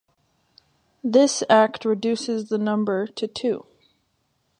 This Act reduces the number to two.